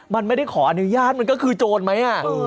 มันไม่ได้ขออนุญาตมันก็คือโจรไหม